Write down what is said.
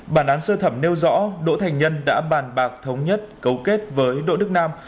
bản án sơ thẩm nêu rõ đỗ thành nhân đã bàn bạc thống nhất cấu kết với đỗ đức nam